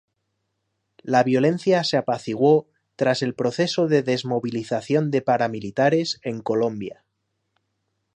La violencia se apaciguó tras el proceso de desmovilización de paramilitares en Colombia.